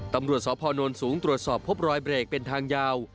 ตำรวจสพนสูงตรวจสอบพบรอยเบรกเป็นทางยาว